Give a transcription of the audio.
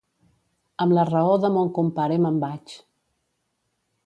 Amb la raó de mon compare me'n vaig.